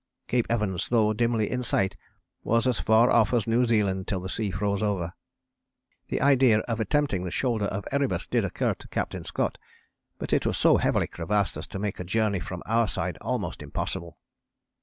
Cape Evans, though dimly in sight, was as far off as New Zealand till the sea froze over. The idea of attempting the shoulder of Erebus did occur to Captain Scott, but it was so heavily crevassed as to make a journey from our side almost impossible.